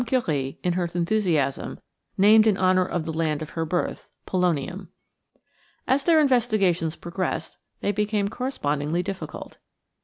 Curie, in her enthusiasm, named in honor of the land of her birth, polonium. As their investigations progressed, they became correspondingly difficult.